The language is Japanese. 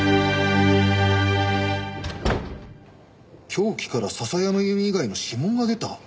凶器から笹山由美以外の指紋が出た？